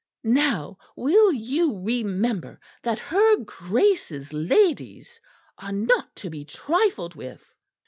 "Now will you remember that her Grace's ladies are not to be trifled with?"